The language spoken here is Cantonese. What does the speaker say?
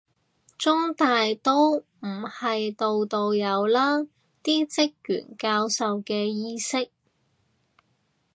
中大都唔係度度有啦，啲職員教授嘅意識